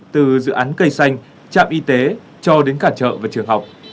từ dự án cây xanh trạm y tế cho đến cả chợ và trường học